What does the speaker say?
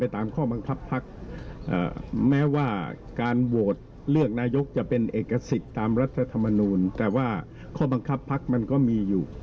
ตามรัฐธรรมนูญแต่ว่าข้อบังคับภักดิ์มันก็มีอยู่